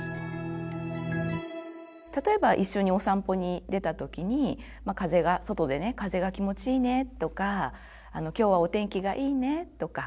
例えば一緒にお散歩に出た時に外でね「風が気持ちいいね」とか「今日はお天気がいいね」とか。